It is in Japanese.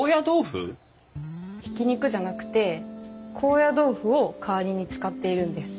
ひき肉じゃなくて高野豆腐を代わりに使っているんです。